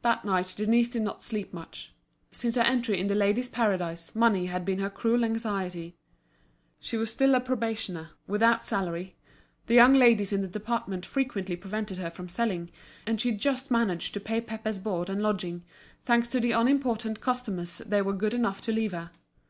That night Denise did not sleep much. Since her entry in The Ladies' Paradise, money had been her cruel anxiety. She was still a probationer, without salary; the young ladies in the department frequently prevented her from selling, and she just managed to pay Pépé's board and lodging, thanks to the unimportant customers they were good enough to leave her.